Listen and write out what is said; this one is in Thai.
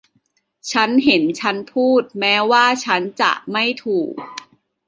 ฉันเห็นฉันพูดแม้ว่าฉันจะไม่ถูก